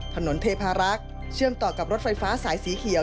เทพารักษ์เชื่อมต่อกับรถไฟฟ้าสายสีเขียว